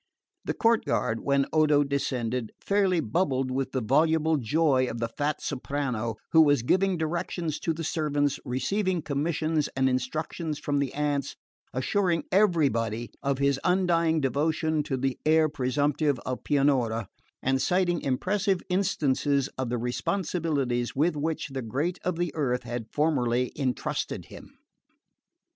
The courtyard, when Odo descended, fairly bubbled with the voluble joy of the fat soprano, who was giving directions to the servants, receiving commissions and instructions from the aunts, assuring everybody of his undying devotion to the heir presumptive of Pianura, and citing impressive instances of the responsibilities with which the great of the earth had formerly entrusted him.